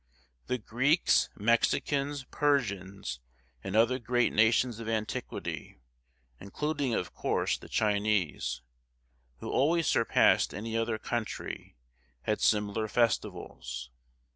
The Greeks, Mexicans, Persians, and other great nations of antiquity, including of course the Chinese, who always surpassed any other country, had similar festivals.